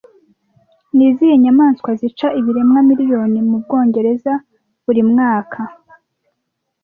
Ni izihe nyamaswa zica ibiremwa miliyoni mu Bwongereza buri mwaka